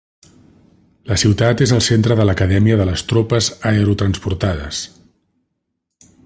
La ciutat és el centre de l'acadèmia de les Tropes Aerotransportades.